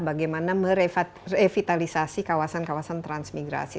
bagaimana merevitalisasi kawasan kawasan transmigrasi